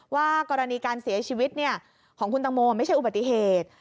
ว่ากรณีการเสียชีวิตของคุณตังโมไม่ใช่อุบัติเหตุ